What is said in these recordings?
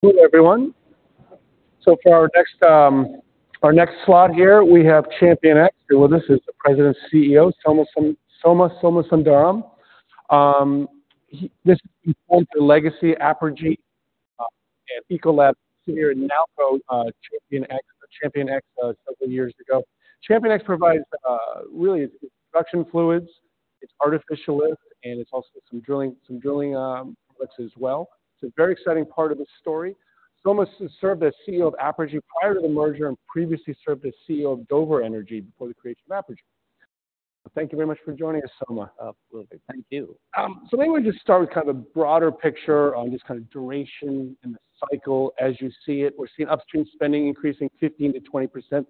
Hello, everyone. So for our next slot here, we have ChampionX, with us is the President and CEO, Soma Somasundaram. He is the legacy Apergy and Ecolab and now ChampionX several years ago. ChampionX provides really production fluids, it's artificial lift, and it's also some drilling products as well. It's a very exciting part of the story. Soma served as CEO of Apergy prior to the merger, and previously served as CEO of Dover Energy before the creation of Apergy. Thank you very much for joining us, Soma. Absolutely. Thank you. So maybe we just start with kind of a broader picture on just kind of duration and the cycle as you see it. We're seeing upstream spending increasing 15%-20%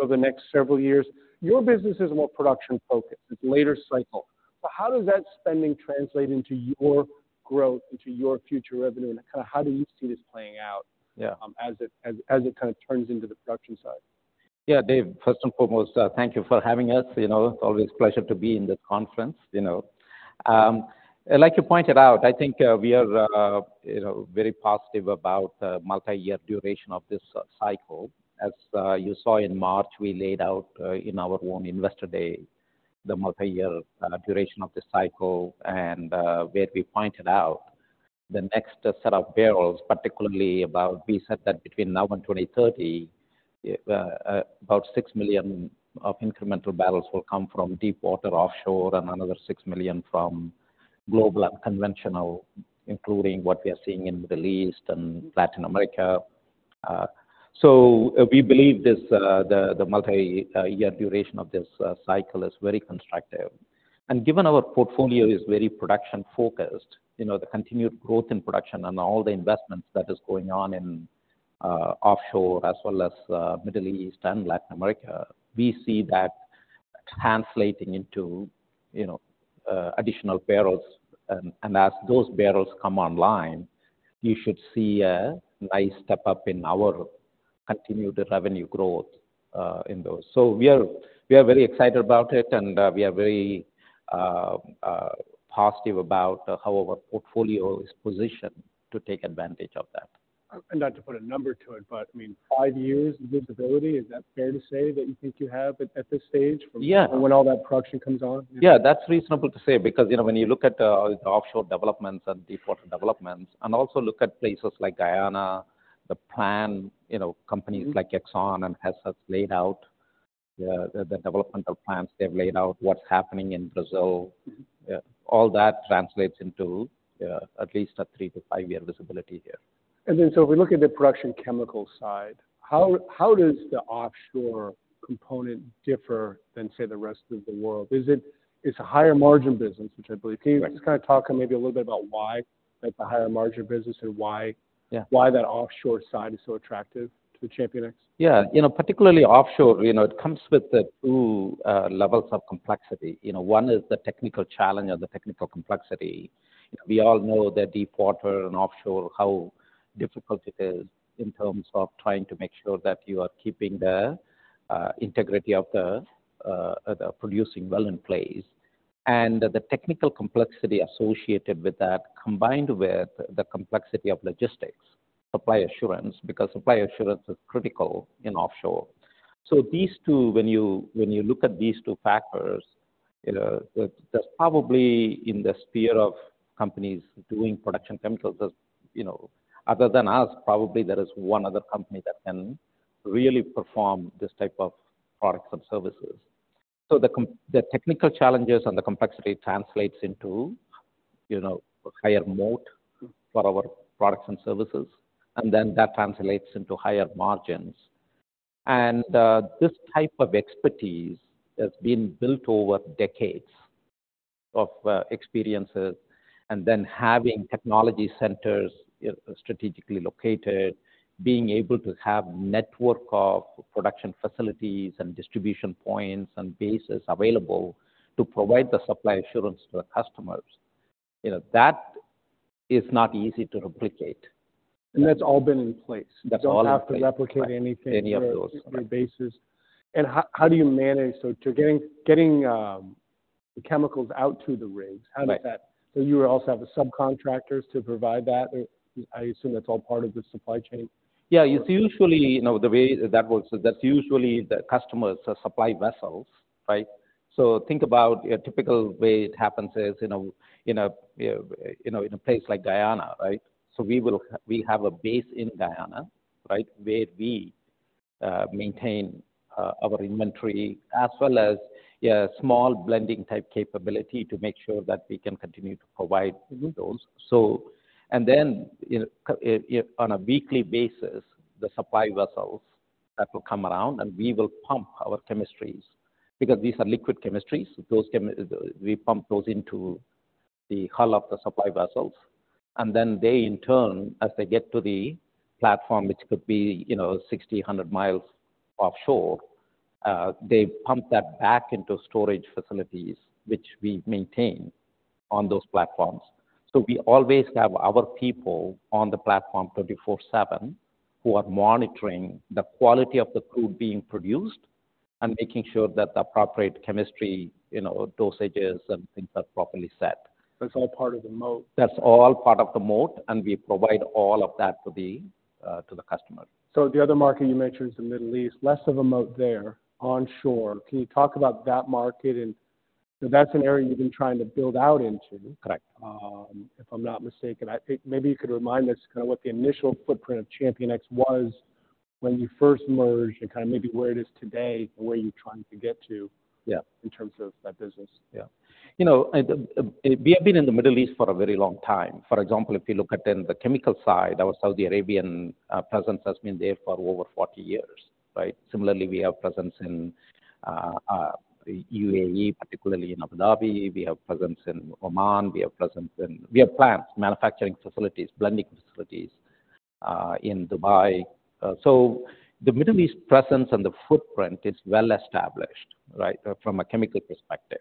over the next several years. Your business is more production focused, it's later cycle. So how does that spending translate into your growth, into your future revenue, and kind of how do you see this playing out? Yeah. As it kind of turns into the production side? Yeah, Dave, first and foremost, thank you for having us. You know, always a pleasure to be in the conference, you know. Like you pointed out, I think, we are, you know, very positive about the multi-year duration of this, cycle. As, you saw in March, we laid out, in our own investor day, the multi-year, duration of this cycle, and, where we pointed out the next set of barrels, particularly about... We said that between now and 2030, about 6 million of incremental barrels will come from deepwater offshore, and another 6 million from global and conventional, including what we are seeing in the Middle East and Latin America. So we believe this, the multi-year duration of this, cycle is very constructive. Given our portfolio is very production focused, you know, the continued growth in production and all the investments that is going on in offshore as well as Middle East and Latin America, we see that translating into, you know, additional barrels. And as those barrels come online, you should see a nice step up in our continued revenue growth in those. So we are, we are very excited about it, and we are very positive about how our portfolio is positioned to take advantage of that. Not to put a number to it, but, I mean, five years visibility, is that fair to say that you think you have at this stage from? Yeah. When all that production comes on? Yeah, that's reasonable to say, because, you know, when you look at, the offshore developments and deepwater developments, and also look at places like Guyana, the plan, you know, companies- Mm-hmm. Like Exxon and Hess have laid out, the developmental plans they've laid out, what's happening in Brazil. All that translates into, at least a three-five year visibility here. So if we look at the production chemical side, how does the offshore component differ than, say, the rest of the world? Is it... It's a higher margin business, which I believe. Mm-hmm. Can you just kind of talk maybe a little bit about why it's a higher margin business and why? Yeah. Why that offshore side is so attractive to ChampionX? Yeah. You know, particularly offshore, you know, it comes with the two levels of complexity. You know, one is the technical challenge or the technical complexity. We all know that deepwater and offshore, how difficult it is in terms of trying to make sure that you are keeping the integrity of the producing well in place. And the technical complexity associated with that, combined with the complexity of logistics, supply assurance, because supply assurance is critical in offshore. So these two, when you look at these two factors, you know, there's probably in the sphere of companies doing production chemicals, there's, you know, other than us, probably there is one other company that can really perform this type of products and services. The technical challenges and the complexity translates into, you know, a higher moat for our products and services, and then that translates into higher margins. This type of expertise has been built over decades of experiences, and then having technology centers strategically located, being able to have network of production facilities and distribution points and bases available to provide the supply assurance to the customers. You know, that is not easy to replicate. That's all been in place. That's all in place. You don't have to replicate anything- Any of those. your bases. And how do you manage getting the chemicals out to the rigs? Right. So you also have the subcontractors to provide that? I assume that's all part of the supply chain. Yeah, it's usually, you know, the way that works, that's usually the customers, the supply vessels, right? So think about a typical way it happens is, you know, in a place like Guyana, right? So we will we have a base in Guyana, right, where we maintain our inventory as well as, yeah, small blending type capability to make sure that we can continue to provide those. So, and then, on a weekly basis, the supply vessels that will come around, and we will pump our chemistries. Because these are liquid chemistries, we pump those into the hull of the supply vessels, and then they in turn, as they get to the platform, which could be, you know, 60-100 miles offshore, they pump that back into storage facilities, which we maintain on those platforms. We always have our people on the platform 24/7, who are monitoring the quality of the crude being produced... and making sure that the appropriate chemistry, you know, dosages and things are properly set. That's all part of the moat? That's all part of the moat, and we provide all of that to the customer. The other market you mentioned is the Middle East. Less of a moat there, onshore. Can you talk about that market? That's an area you've been trying to build out into- Correct. If I'm not mistaken, I think maybe you could remind us kind of what the initial footprint of ChampionX was when you first merged, and kind of maybe where it is today, and where you're trying to get to? Yeah in terms of that business. Yeah. You know, and we have been in the Middle East for a very long time. For example, if you look at in the chemical side, our Saudi Arabian presence has been there for over 40 years, right? Similarly, we have presence in UAE, particularly in Abu Dhabi. We have presence in Oman, we have presence in... We have plants, manufacturing facilities, blending facilities in Dubai. So the Middle East presence and the footprint is well established, right? From a chemical perspective.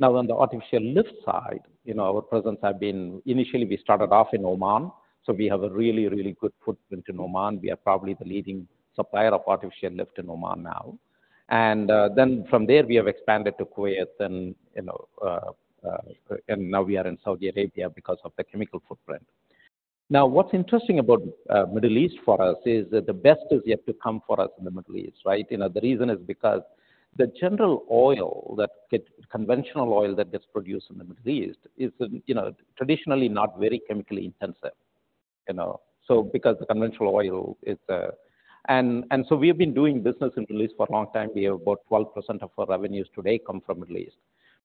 Now, on the artificial lift side, you know, our presence have been initially we started off in Oman, so we have a really, really good footprint in Oman. We are probably the leading supplier of artificial lift in Oman now. Then from there we have expanded to Kuwait and, you know, and now we are in Saudi Arabia because of the chemical footprint. Now, what's interesting about Middle East for us is that the best is yet to come for us in the Middle East, right? You know, the reason is because the conventional oil that gets produced in the Middle East is, you know, traditionally not very chemically intensive, you know? So because the conventional oil is... and so we have been doing business in Middle East for a long time. We have about 12% of our revenues today come from Middle East.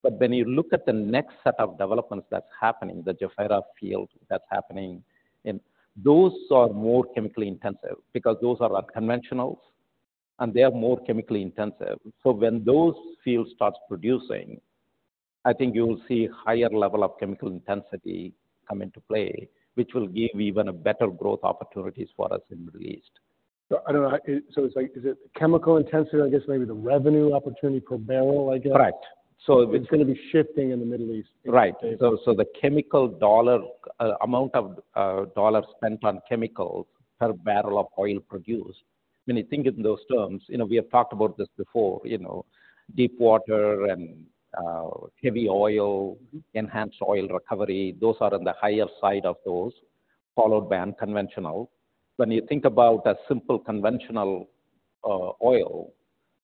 But when you look at the next set of developments that's happening, the Jafurah field that's happening, and those are more chemically intensive because those are unconventionals, and they are more chemically intensive. So when those fields starts producing, I think you will see higher level of chemical intensity come into play, which will give even a better growth opportunities for us in Middle East. So I don't know, so it's like, is it chemical intensity, I guess maybe the revenue opportunity per barrel, I guess? Correct. So it- It's gonna be shifting in the Middle East. Right. So the chemical dollar amount of dollars spent on chemicals per barrel of oil produced, when you think in those terms, you know, we have talked about this before, you know, deepwater and heavy oil, enhanced oil recovery, those are on the higher side of those, followed by unconventional. When you think about a simple conventional oil,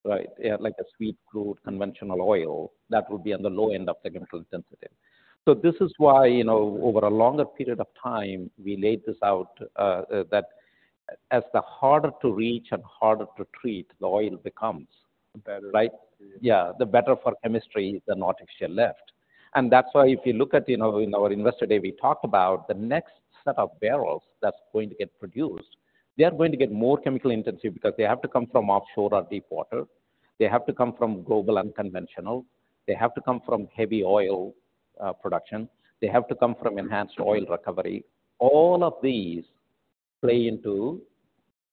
right? Like a sweet crude, conventional oil, that would be on the low end of the chemical intensity. So this is why, you know, over a longer period of time, we laid this out, that as the harder to reach and harder to treat, the oil becomes- Better. Right. Yeah, the better for chemistry, the more artificial lift. And that's why if you look at, you know, in our Investor Day, we talked about the next set of barrels that's going to get produced. They're going to get more chemically intensive because they have to come from offshore or deepwater. They have to come from global unconventional. They have to come from heavy oil production. They have to come from enhanced oil recovery. All of these play into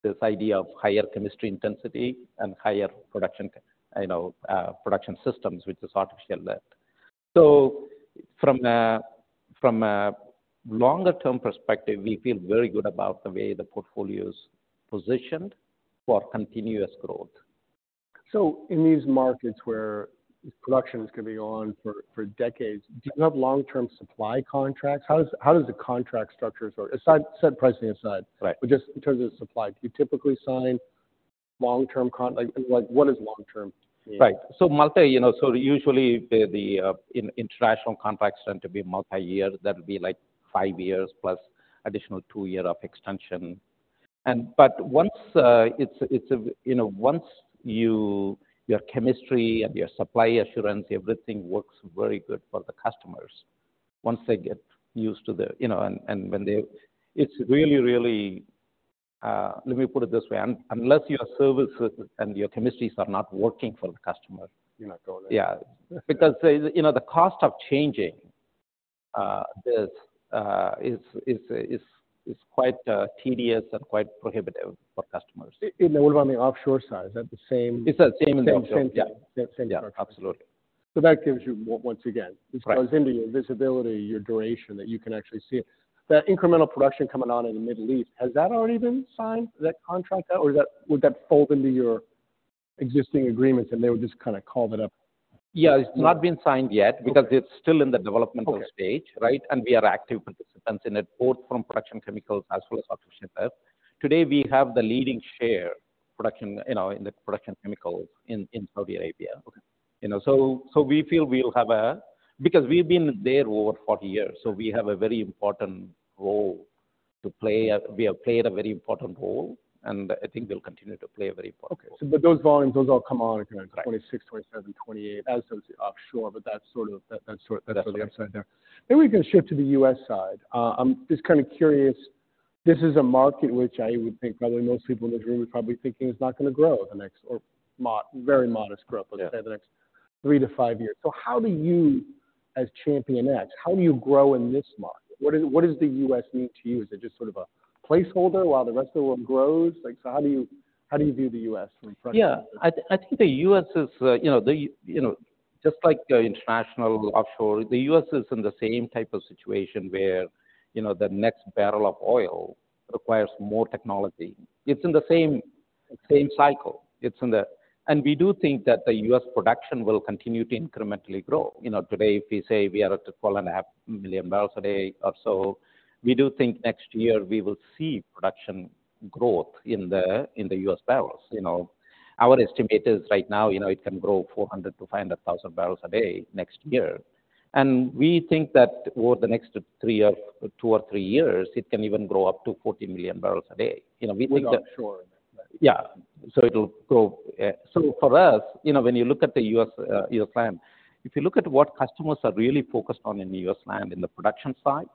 this idea of higher chemistry intensity and higher production, you know, production systems, which is artificial lift. So from a, from a longer term perspective, we feel very good about the way the portfolio is positioned for continuous growth. So in these markets where production is gonna be on for decades, do you have long-term supply contracts? How does the contract structures or... Aside, set pricing aside. Right. Just in terms of supply, do you typically sign long-term con...? Like, what is long term to you? Right. So multi, you know, so usually the, the, in, international contracts tend to be multi-year. That would be like five years plus additional two year of extension. And but once, it's a, it's a... You know, once you- your chemistry and your supply assurance, everything works very good for the customers. Once they get used to the, you know, and, and when they... It's really, really, let me put it this way, unless your services and your chemistries are not working for the customer- You're not going there. Yeah, because, you know, the cost of changing is quite tedious and quite prohibitive for customers. On the offshore side, is that the same? It's the same in the offshore. Same, same. Yeah. That same structure. Yeah, absolutely. That gives you, once again- Right This goes into your visibility, your duration, that you can actually see it. That incremental production coming on in the Middle East, has that already been signed, that contract out, or that would that fold into your existing agreements, and they would just kind of carve it up? Yeah. It's not been signed yet- Okay Because it's still in the developmental stage, right? And we are active participants in it, both from production chemicals as well as artificial lift. Today, we have the leading share production, you know, in the production chemicals in Saudi Arabia. Okay. You know, so, so we feel we'll have a—Because we've been there over 40 years, so we have a very important role to play. We have played a very important role, and I think we'll continue to play a very important role. Okay. So but those volumes, those all come on in- Right 2026, 2027, 2028 as offshore, but that's sort of- That's right The upside there. Then we can shift to the U.S. side. I'm just kind of curious, this is a market which I would think probably most people in this room are probably thinking is not going to grow the next or very modest growth- Yeah Let's say, the next three-five years. So how do you, as ChampionX, how do you grow in this market? What does, what does the U.S. mean to you? Is it just sort of a placeholder while the rest of the world grows? Like, so how do you, how do you view the U.S. from a production? Yeah, I think the U.S. is, you know, just like the international offshore, the U.S. is in the same type of situation where, you know, the next barrel of oil requires more technology. It's in the same cycle. We do think that the U.S. production will continue to incrementally grow. You know, today, if we say we are at 12.5 million barrels a day or so, we do think next year we will see production growth in the U.S. barrels, you know. Our estimate is right now, you know, it can grow 400,000-500,000 barrels a day next year. And we think that over the next three or two or three years, it can even grow up to 40 million barrels a day. You know, we think that- We are sure. Yeah. So it'll grow. So for us, you know, when you look at the U.S., U.S. land, if you look at what customers are really focused on in U.S. land, in the production side,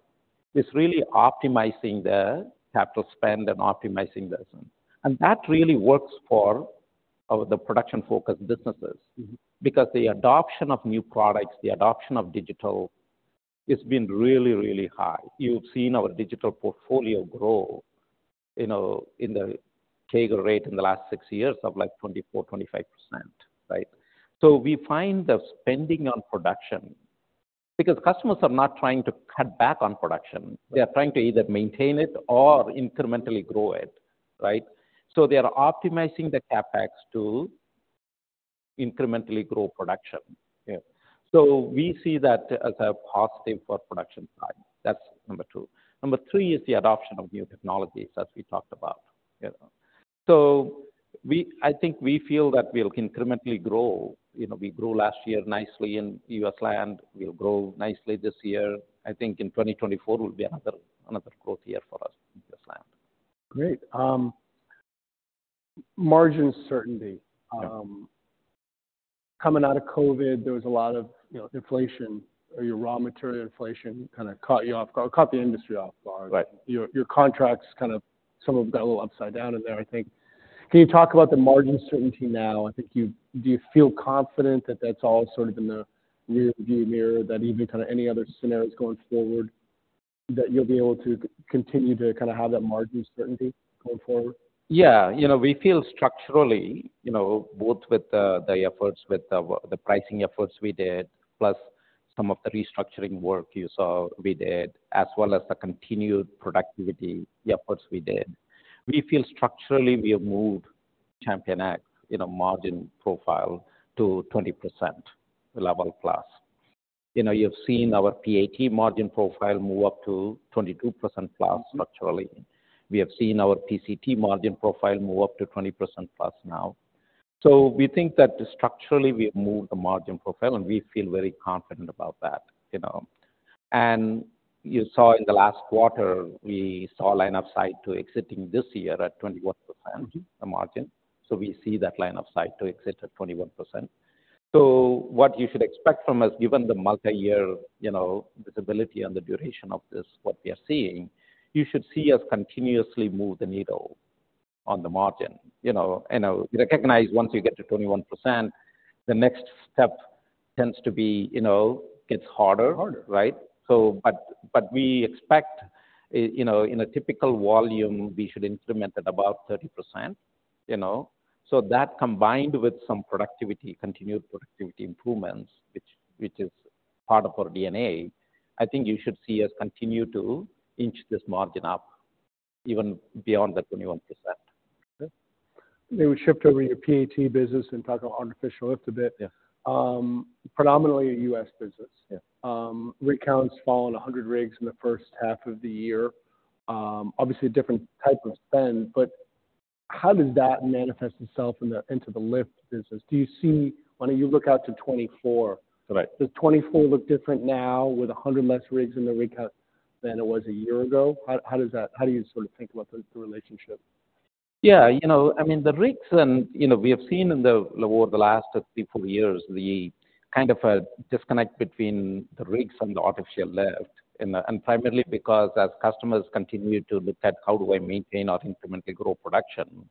it's really optimizing the capital spend and optimizing this. And that really works for the production-focused businesses. Mm-hmm. Because the adoption of new products, the adoption of digital, it's been really, really high. You've seen our digital portfolio grow, you know, in the CAGR rate in the last six years of, like, 24%-25%, right? So we find the spending on production... Because customers are not trying to cut back on production- Yeah. They are trying to either maintain it or incrementally grow it, right? So they are optimizing the CapEx to incrementally grow production. Yeah. So we see that as a positive for production side. That's number two. Number three is the adoption of new technologies, as we talked about. Yeah. So, I think we feel that we'll incrementally grow. You know, we grew last year nicely in U.S. land. We'll grow nicely this year. I think in 2024 will be another, another growth year for us in U.S. land. Great. Margin certainty. Yeah. Coming out of COVID, there was a lot of, you know, inflation, or your raw material inflation kind of caught you off guard, caught the industry off guard. Right. Your contracts, kind of some of them got a little upside down in there, I think. Can you talk about the margin certainty now? I think you do. Do you feel confident that that's all sort of in the rearview mirror, that even kind of any other scenarios going forward, that you'll be able to continue to kind of have that margin certainty going forward? Yeah. You know, we feel structurally, you know, both with the efforts, with the pricing efforts we did, plus some of the restructuring work you saw we did, as well as the continued productivity efforts we did. We feel structurally we have moved ChampionX in a margin profile to 20% level plus. You know, you've seen our PAT margin profile move up to 22% plus, naturally. We have seen our PCT margin profile move up to 20% plus now. So we think that structurally, we have moved the margin profile, and we feel very confident about that, you know. And you saw in the last quarter, we saw a line of sight to exiting this year at 21%-the margin. Mm-hmm So we see that line of sight to exit at 21%. So what you should expect from us, given the multiyear, you know, visibility and the duration of this, what we are seeing, you should see us continuously move the needle on the margin. You know, and I recognize once you get to 21%, the next step tends to be, you know, gets harder. Harder. Right? So, but we expect, you know, in a typical volume, we should implement at about 30%, you know. So that, combined with some productivity, continued productivity improvements, which is part of our DNA, I think you should see us continue to inch this margin up even beyond the 21%. Okay. Maybe we shift over to your PAT business and talk about artificial lift a bit. Yeah. Predominantly a U.S. business. Yeah. Rig counts fallen 100 rigs in the first half of the year. Obviously a different type of spend, but how does that manifest itself in the, into the lift business? Do you see... When you look out to 2024- Right. Does 2024 look different now with 100 less rigs in the rig count than it was a year ago? How does that? How do you sort of think about the relationship? Yeah, you know, I mean, the rigs and, you know, we have seen, over the last three-four years, the kind of a disconnect between the rigs and the artificial lift. And primarily because as customers continue to look at how do I maintain or incrementally grow production,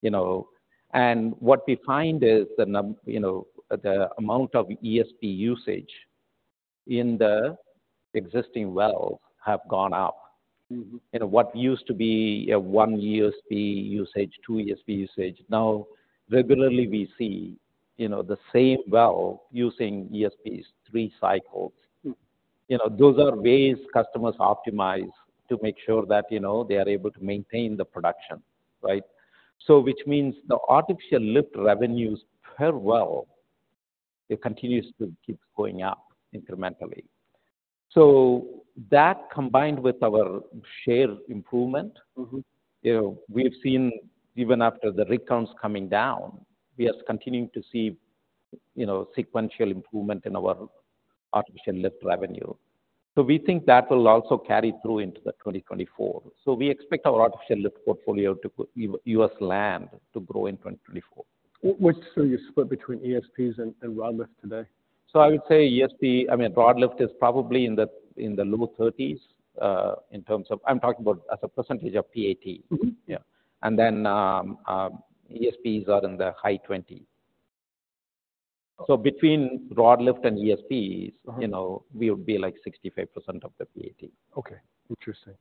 you know? And what we find is, you know, the amount of ESP usage in the existing wells have gone up. Mm-hmm. You know, what used to be a one ESP usage, two ESP usage, now regularly we see, you know, the same well using ESPs three cycles. Mm. You know, those are ways customers optimize to make sure that, you know, they are able to maintain the production, right? So which means the artificial lift revenues per well, it continues to keep going up incrementally. Mm-hmm So that, combined with our share improvement-you know, we've seen even after the rig counts coming down, we are continuing to see, you know, sequential improvement in our Artificial Lift revenue. So we think that will also carry through into 2024. So we expect our Artificial Lift portfolio to grow in U.S. land in 2024. What's your split between ESPs and Rod Lift today? I would say ESP, I mean, rod lift is probably in the low thirties in terms of... I'm talking about as a percentage of PAT. Mm-hmm. Yeah. ESPs are in the high 20s. So between Rod Lift and ESPs-you know, we would be, like, 65% of the PAT. Uh-huh Okay. Interesting...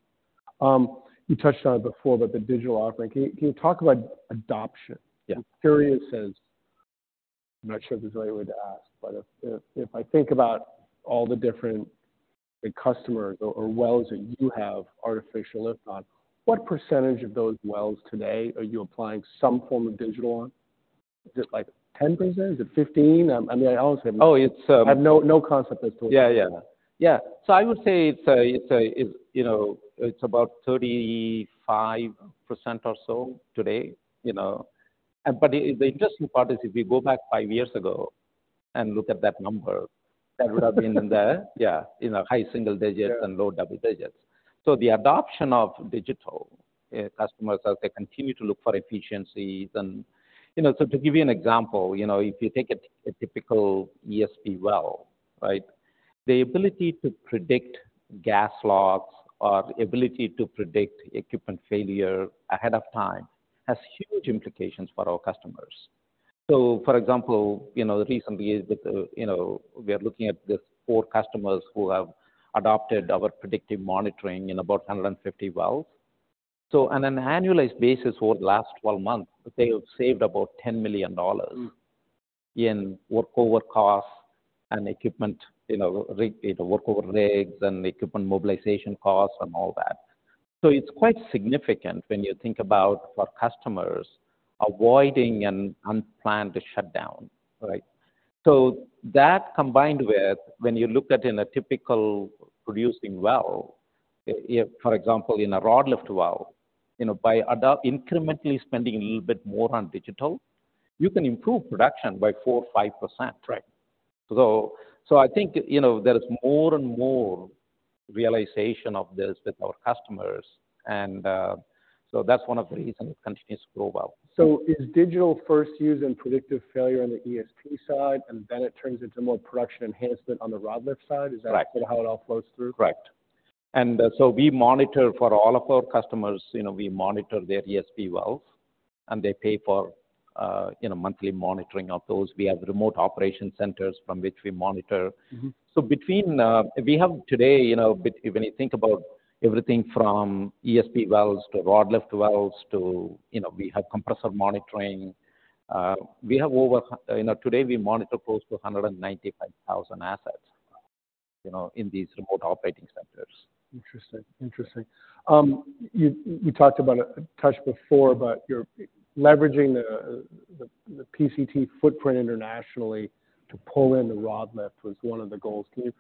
You touched on it before, but the digital offering, can you talk about adoption? Yeah. I'm curious. I'm not sure if there's any way to ask, but if I think about all the different customers or wells that you have artificial lift on, what percentage of those wells today are you applying some form of digital on? Is it, like, 10%? Is it 15%? I mean, I honestly- Oh, it's, I have no, no concept as to what. Yeah, yeah. Yeah. So I would say it's, you know, about 35% or so today, you know. But the interesting part is if we go back five years ago and look at that number - that would have been in the... Yeah, in the high single digits-and low double digits. So the adoption of digital, customers, as they continue to look for efficiencies and... Yeah You know, so to give you an example, you know, if you take a, a typical ESP well, right? The ability to predict gas locks or ability to predict equipment failure ahead of time has huge implications for our customers. So for example, you know, recently with the, you know, we are looking at the four customers who have adopted our predictive monitoring in about 150 wells. So on an annualized basis, over the last 12 months, they have saved about $10 million. Mm. In workover costs and equipment, you know, rig, workover rigs and equipment mobilization costs and all that. So it's quite significant when you think about our customers avoiding an unplanned shutdown, right? So that combined with when you look at in a typical producing well, if, for example, in a Rod Lift well, you know, by incrementally spending a little bit more on digital, you can improve production by 4% or 5%. Right. So, I think, you know, there is more and more realization of this with our customers, and so that's one of the reasons it continues to grow well. So is digital first used in predictive failure on the ESP side, and then it turns into more production enhancement on the Rod Lift side? Right. Is that sort of how it all flows through? Correct. So we monitor for all of our customers, you know, we monitor their ESP wells, and they pay for, you know, monthly monitoring of those. We have remote operating centers from which we monitor. Mm-hmm. So between, we have today, you know, with, when you think about everything from ESP wells to rod lift wells, to, you know, we have compressor monitoring, we have, you know, today we monitor close to 195,000 assets, you know, in these remote operating centers. Interesting. Interesting. You talked about it, touched before, but you're leveraging the PCT footprint internationally to pull in the Rod Lift was one of the goals. Can you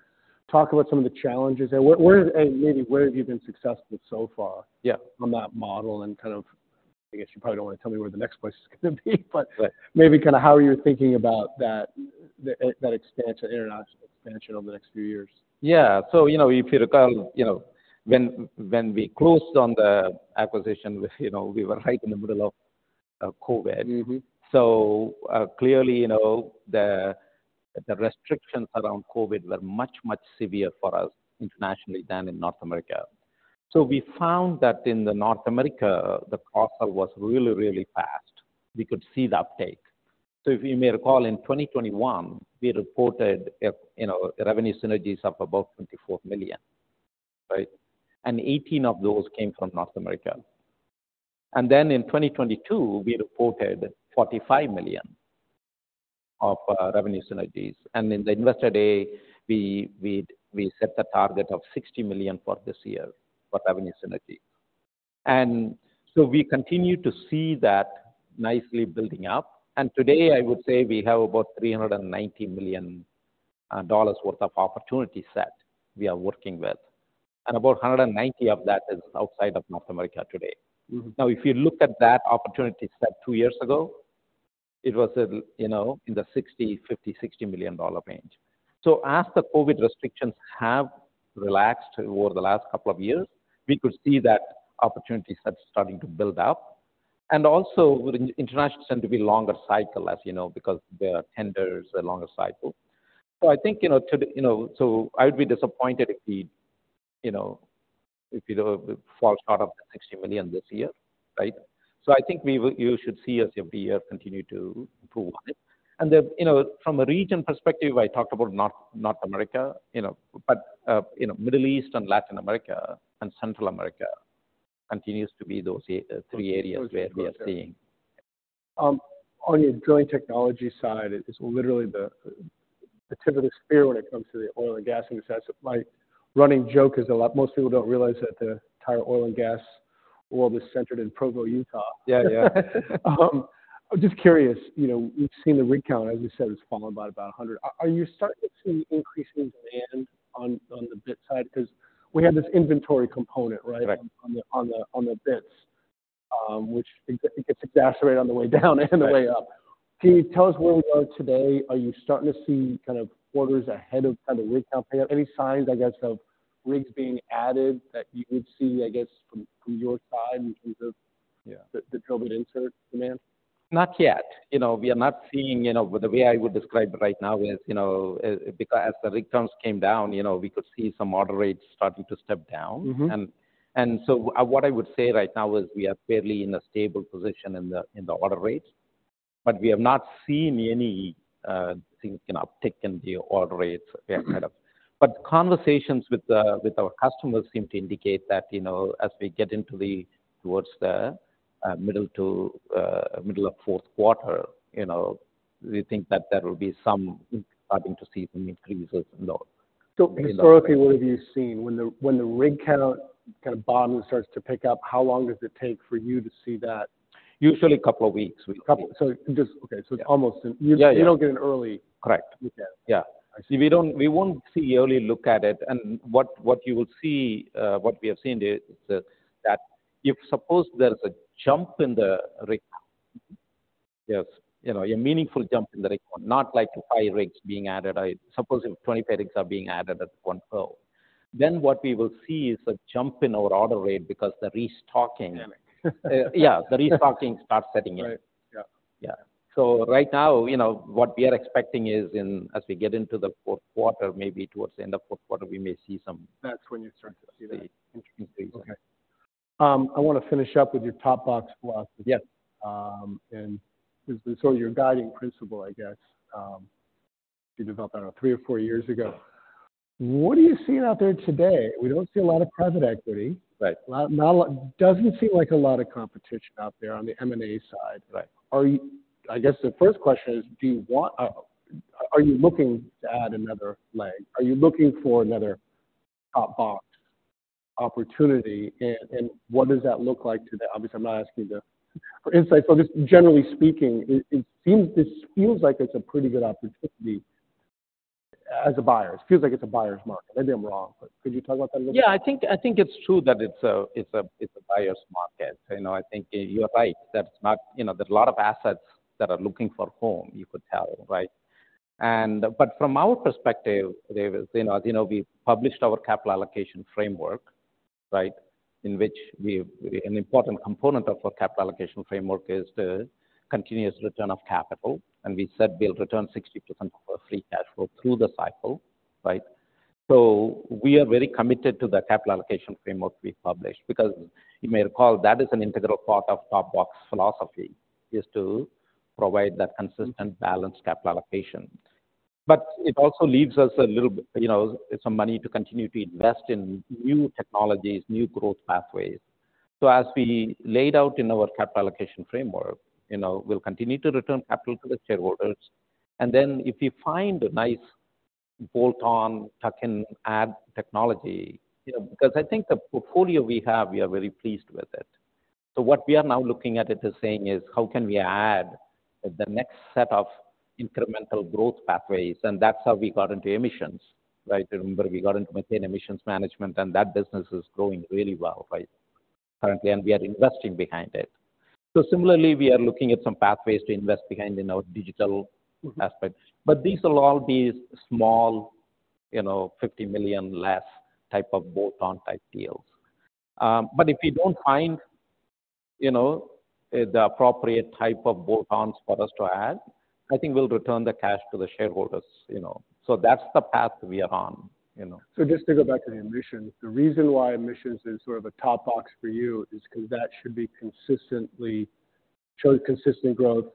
talk about some of the challenges and where and maybe where have you been successful so far? Yeah. On that model, and kind of, I guess you probably don't want to tell me where the next place is gonna be, but. Right. Maybe kind of how you're thinking about that expansion, international expansion over the next few years. Yeah. So, you know, if you recall, you know, when we closed on the acquisition, you know, we were right in the middle of COVID. Mm-hmm. So, clearly, you know, the restrictions around COVID were much, much severe for us internationally than in North America. So we found that in North America, the crossover was really, really fast. We could see the uptake. So if you may recall, in 2021, we reported a, you know, revenue synergies of about $24 million, right? And 18 of those came from North America. And then in 2022, we reported $45 million of revenue synergies. And in the investor day, we set the target of $60 million for this year for revenue synergy. And so we continue to see that nicely building up, and today I would say we have about $390 million worth of opportunity set we are working with, and about 190 of that is outside of North America today. Mm-hmm. Now, if you look at that opportunity set two years ago, it was a, you know, in the $50-$60 million range. So as the COVID restrictions have relaxed over the last couple of years, we could see that opportunity set starting to build out. And also with international tend to be longer cycle, as you know, because there are tenders, a longer cycle. So I think, you know, to the... You know, so I would be disappointed if we, you know, if we fall short of the $60 million this year, right? So I think we will—you should see as the year continue to improve on it. And then, you know, from a region perspective, I talked about North, North America, you know, but, you know, Middle East and Latin America and Central America continues to be those three areas- Those three areas. where we are seeing. On your drilling technology side, it is literally the tip of the spear when it comes to the oil and gas industry. My running joke is a lot—most people don't realize that the entire oil and gas world is centered in Provo, Utah. Yeah. Yeah. I'm just curious, you know, we've seen the rig count, as you said, it's fallen by about 100. Are you starting to see increasing demand on the bit side? Because we had this inventory component, right? Right. On the bits, which it gets exacerbated on the way down and the way up. Right. Can you tell us where we are today? Are you starting to see kind of orders ahead of kind of the rig count pick up? Any signs, I guess, of rigs being added that you would see, I guess, from, from your side in terms of-the drill bit insert demand? Yeah Not yet. You know, we are not seeing... You know, the way I would describe it right now is, you know, as the rig counts came down, you know, we could see some order rates starting to step down. Mm-hmm. So what I would say right now is we are fairly in a stable position in the order rates, but we have not seen anything, you know, uptick in the order rates we have had. But conversations with our customers seem to indicate that, you know, as we get into towards the middle to middle of fourth quarter, you know, we think that there will be some starting to see some increases in those. Historically, what have you seen? When the rig count kind of bottom starts to pick up, how long does it take for you to see that? Usually a couple of weeks. A couple. Okay, so it's almost- Yeah, yeah. You don't get an early- Correct. Look at it. Yeah. See, we don't—we won't see early look at it. And what you will see, what we have seen is that if suppose there's a jump in the rig, there's, you know, a meaningful jump in the rig, not like five rigs being added. I suppose if 25 rigs are being added at one go, then what we will see is a jump in our order rate because the restocking- Got it. Yeah, the restocking starts setting in. Right. Yeah. Yeah. So right now, you know, what we are expecting is, as we get into the fourth quarter, maybe towards the end of fourth quarter, we may see some- That's when you start to see that. Interesting things. Okay. I want to finish up with your Top Box Philosophy. Yes. Your guiding principle, I guess, you developed that about three or four years ago. What are you seeing out there today? We don't see a lot of private equity. Right. Doesn't seem like a lot of competition out there on the M&A side. Right. Are you... I guess the first question is, do you want, are you looking to add another leg? Are you looking for another Top Box opportunity, and what does that look like today? Obviously, I'm not asking you for insight. So just generally speaking, it seems this feels like it's a pretty good opportunity as a buyer. It feels like it's a buyer's market. Maybe I'm wrong, but could you talk about that a little bit? Yeah, I think it's true that it's a buyer's market. You know, I think you're right. That's not... You know, there's a lot of assets that are looking for home, you could tell, right? But from our perspective, David, you know, we published our capital allocation framework, right? In which—an important component of our capital allocation framework is the continuous return of capital. And we said we'll return 60% of our free cash flow through the cycle, right? So we are very committed to the capital allocation framework we published, because you may recall, that is an integral part of Top Box Philosophy, is to provide that consistent balanced capital allocation. But it also leaves us a little bit, you know, some money to continue to invest in new technologies, new growth pathways. So as we laid out in our capital allocation framework, you know, we'll continue to return capital to the shareholders. And then if you find a nice bolt-on, tuck-in, add technology, you know, because I think the portfolio we have, we are very pleased with it. So what we are now looking at it as saying is, how can we add the next set of incremental growth pathways? And that's how we got into emissions, right? Remember, we got into methane emissions management, and that business is growing really well, right, currently, and we are investing behind it. So similarly, we are looking at some pathways to invest behind in our digital aspect. But these will all be small, you know, $50 million less type of bolt-on type deals. but if we don't find, you know, the appropriate type of bolt-ons for us to add, I think we'll return the cash to the shareholders, you know. So that's the path we are on, you know. So just to go back to the emissions, the reason why emissions is sort of a top box for you is because that should be consistently, show consistent growth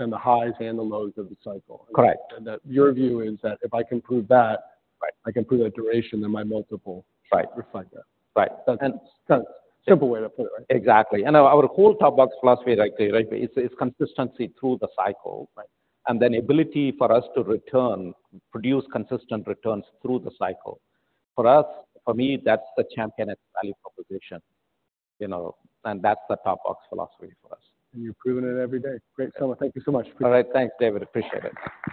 in the highs and the lows of the cycle? Correct. And that your view is that if I can prove that- Right. I can prove that duration, then my multiple. Right. Reflect that. Right. And- Simple way to put it, right? Exactly. And our whole Top Box Philosophy, right, David, is consistency through the cycle, right? And then ability for us to return, produce consistent returns through the cycle. For us, for me, that's the Champion value proposition, you know, and that's the Top Box Philosophy for us. You're proving it every day. Great. So thank you so much. All right. Thanks, David. Appreciate it.